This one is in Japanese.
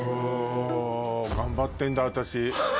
あ頑張ってんだ私。